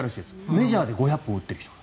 メジャーで５００本打ってる人が。